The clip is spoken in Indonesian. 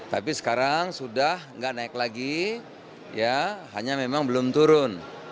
tapi sekarang sudah tidak naik lagi ya hanya memang belum turun